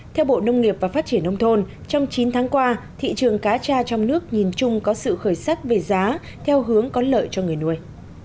theo bộ nông nghiệp và phát triển nông thôn trong chín tháng qua thị trường cá tra trong nước nhìn chung có sự khởi sắc về giá theo hướng có lợi cho người nuôi